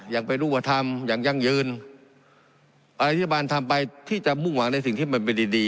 อย่างเป็นรูปธรรมอย่างยั่งยืนอะไรที่บาลทำไปที่จะมุ่งหวังในสิ่งที่มันเป็นดีดี